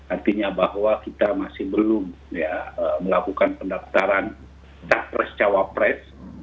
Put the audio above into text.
artinya bahwa kita masih belum melakukan pendaftaran tak prescawa pres